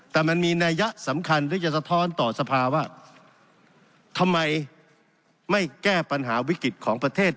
แต่มันมีนัยยะสำคัญที่จะสะท้อนต่อสภาว่าทำไมไม่แก้ปัญหาวิกฤตของประเทศ